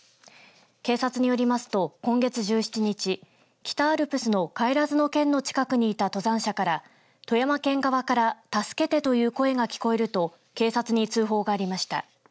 警察によりますと今月１７日北アルプスの不帰嶮の近くにいた登山者から富山県側から助けてという声が聞こえると警察に通報がありました。